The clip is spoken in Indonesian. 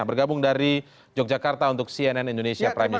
bergabung dari yogyakarta untuk cnn indonesia prime news